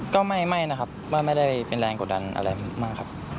ก็ไม่นะครับว่าไม่ได้เป็นแรงกดดันอะไรมากครับ